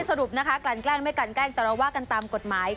สรุปนะคะกลั่นแกล้งไม่กลั่นแกล้งแต่เราว่ากันตามกฎหมาย